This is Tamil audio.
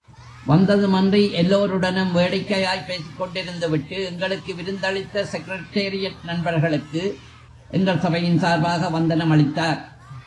வந்ததுமன்றி, எல்லோருடனும் வேடிக்கையாய்ப் பேசிக்கொண்டிருந்து விட்டு, எங்களுக்கு விருந்தளித்த செக்ரடேரியேட் நண்பர்களுக்கு எங்கள் சபையின் சார்பாக வந்தனம் அளித்தார்.